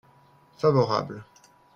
Favorable.